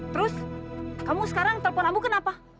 terus kamu sekarang telepon ambu kenapa